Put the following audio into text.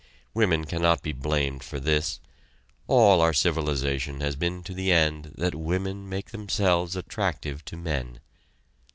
Women cannot be blamed for this. All our civilization has been to the end that women make themselves attractive to men.